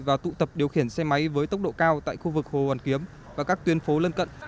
và tụ tập điều khiển xe máy với tốc độ cao tại khu vực hồ hoàn kiếm và các tuyên phố lân cận